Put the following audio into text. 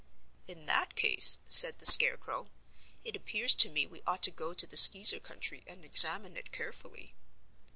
"In that case," said the Scarecrow, "it appears to me we ought to go to the Skeezer country and examine it carefully."